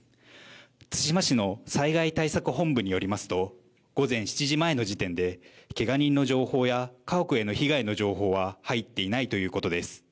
対馬市の災害対策本部によりますと、午前７時前の時点でけが人の情報や、家屋への被害の情報は、入っていないということです。